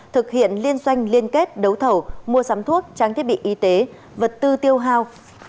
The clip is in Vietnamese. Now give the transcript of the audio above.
thực hiện liên xoanh liên kết đấu thầu mua sắm thuốc tráng thiết bị y tế vật tư tiêu hào